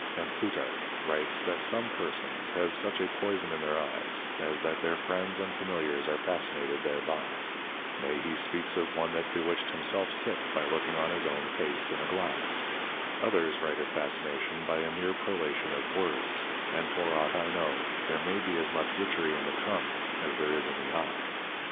_ And Plutarch writes that some persons have such a Poyson in their Eyes, as that their Friends and Familiars are Fascinated thereby; nay he speaks of one that Bewitched himself sick by looking on his own Face in a Glass: Others write of Fascination by a meer Prolation of Words; and for ought I know, there may be as much Witchery in the Tongue as there is in the Eye.